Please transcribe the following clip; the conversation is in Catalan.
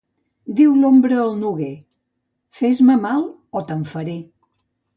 Diu l'ombra al noguer: fes-me mal o te'n faré.